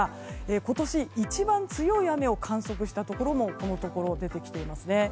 今年一番強い雨を観測したところも出てきています。